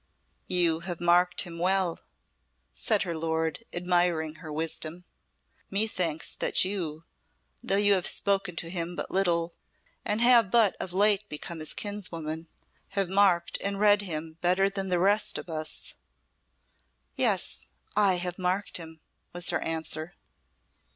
"You have marked him well," said her lord, admiring her wisdom. "Methinks that you though you have spoken to him but little, and have but of late become his kinswoman have marked and read him better than the rest of us." "Yes I have marked him," was her answer.